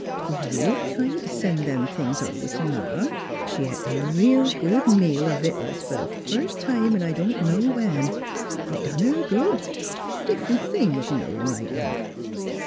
'Twas reel kind t' send over them things t' Ma. She et a reel good meal o' vittles f'r th' firs' time in I don' know when. It done her good differ'nt things, you know, 'n' like that."